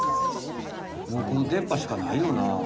もうこのでっ歯しかないよな。